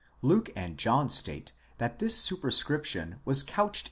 Luke and John state that this superscription was couched.